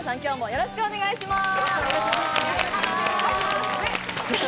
よろしくお願いします。